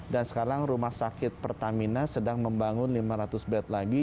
dan sekarang rumah sakit pertamina sedang membangun lima ratus bed lagi